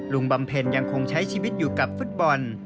บำเพ็ญยังคงใช้ชีวิตอยู่กับฟุตบอล